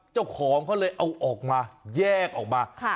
เจ้าของเขาเลยเอาออกมาแยกออกมา